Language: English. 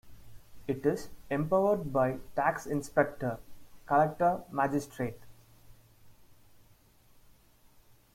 It is empowered by tax inspector, Collector magistrate.